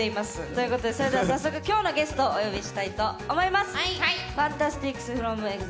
ということでそれでは早速今日のゲストお呼びしたいと思います！